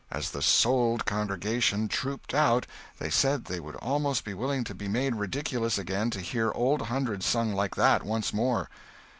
As the "sold" congregation trooped out they said they would almost be willing to be made ridiculous again to hear Old Hundred sung like that once more.